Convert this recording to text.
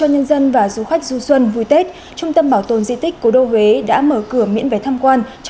hàng nghìn việc làm tốt